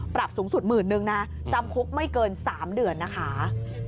ปรับสูงสุดหมื่นนึงนะจำคุกไม่เกิน๓เดือนนะคะ